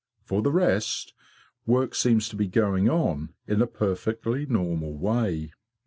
For the rest, work seems to be going on in a perfectly normal way.